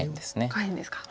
下辺ですか。